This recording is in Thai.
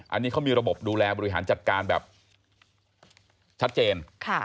อันนี้เขามีระบบดูแลบริหารจัดการแบบชัดเจน